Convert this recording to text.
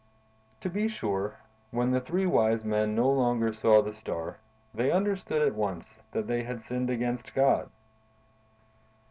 "To be sure, when the three wise men no longer saw the Star, they understood at once that they had sinned against God.